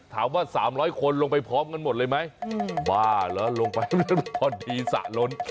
ถามว่า๓๐๐คนลงไปพร้อมกันหมดเลยไหมบ้าเหรอลงไปพอดีสระล้น